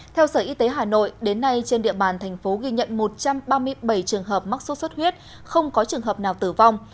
theo sở y tế hà nội đến nay trên địa bàn thành phố ghi nhận một trăm ba mươi bảy trường hợp mắc sốt xuất huyết không có trường hợp nào tử vong